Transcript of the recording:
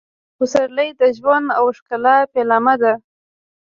پسرلی د ژوند او ښکلا پیلامه ده.